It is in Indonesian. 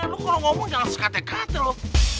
lu kalau ngomong jangan sekatek katek lu